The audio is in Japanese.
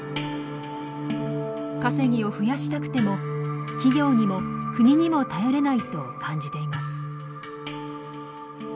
稼ぎを増やしたくても企業にも国にも頼れないと感じています。